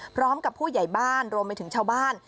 พร้อมกับผู้ใหญ่บ้านรวมไปถึงชาวบ้าน